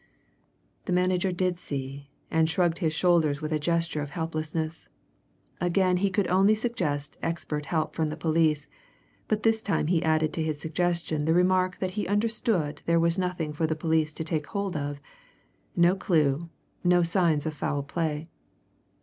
The manager did see, and shrugged his shoulders with a gesture of helplessness. Again he could only suggest expert help from the police but this time he added to his suggestion the remark that he understood there was nothing for the police to take hold of no clue, no signs of foul play.